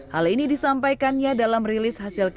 hal ini disampaikannya dalam rilis hasilnya